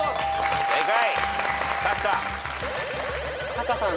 タカさん